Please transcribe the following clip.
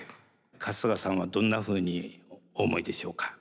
春日さんはどんなふうにお思いでしょうか？